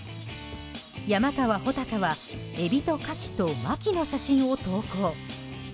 山川穂高はエビとカキと牧の写真を投稿。